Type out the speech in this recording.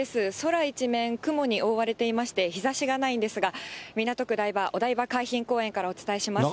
空一面、雲に覆われていまして、日ざしがないんですが、港区台場・お台場海浜公園からお伝えします。